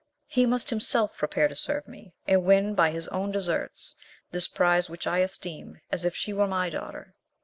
He must himself prepare to serve me, and win by his own deserts this prize which I esteem as if she were my daughter."